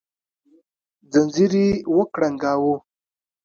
ځنځير يې وکړانګاوه